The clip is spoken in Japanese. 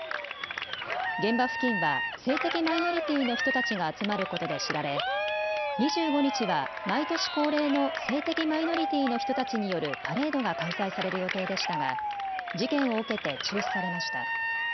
現場付近は性的マイノリティーの人たちが集まることで知られ２５日は毎年恒例の性的マイノリティーの人たちによるパレードが開催される予定でしたが事件を受けて中止されました。